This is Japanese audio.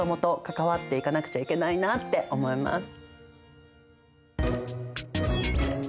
関わっていかなくちゃいけないなって思います。